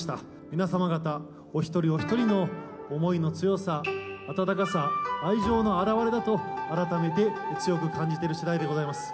皆様方お一人お一人の思いの強さ、温かさ、愛情の表れだと、改めて強く感じているしだいでございます。